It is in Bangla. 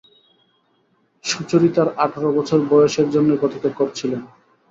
সুচরিতার আঠারো বছর বয়সের জন্যই প্রতীক্ষা করছিলেম।